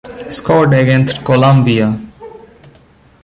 Scored against Colombia.